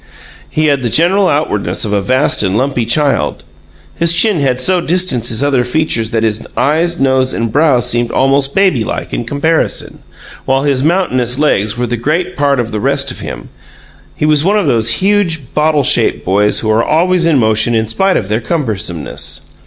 He had the general outwardness of a vast and lumpy child. His chin had so distanced his other features that his eyes, nose, and brow seemed almost baby like in comparison, while his mountainous legs were the great part of the rest of him. He was one of those huge, bottle shaped boys who are always in motion in spite of their cumbersomeness.